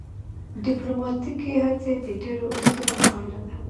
ډیپلوماتیکې هڅې د ډیرو اصولو پایله ده